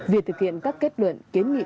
việc thực hiện các kết luận kiến nghị